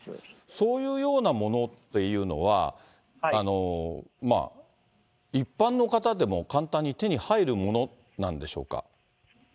そういうようなものっていうのは、一般的の方でも簡単に手に入るものなんでしょうか。